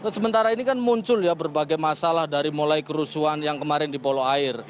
sementara ini kan muncul ya berbagai masalah dari mulai kerusuhan yang kemarin di polo air